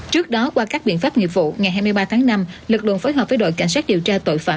trước đó qua các biện pháp nghiệp vụ ngày hai mươi ba tháng năm lực lượng phối hợp với đội cảnh sát điều tra tội phạm